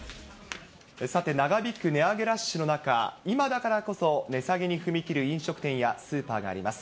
さて、長引く値上げラッシュの中、今だからこそ値下げに踏み切る飲食店やスーパーがあります。